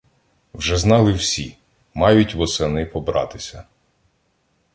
Вже знали всі: мають восени побратися.